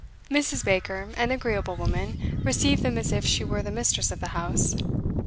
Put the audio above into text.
Mrs. Baker, an agreeable woman, received them as if she were the mistress of the house.